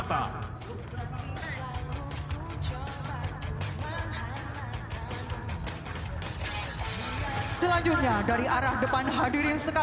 dan kemampuan terbuka